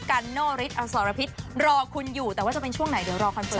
กันโนฤทธิอสรพิษรอคุณอยู่แต่ว่าจะเป็นช่วงไหนเดี๋ยวรอคอนเฟิร์